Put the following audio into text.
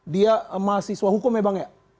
dia mahasiswa hukum ya bang ya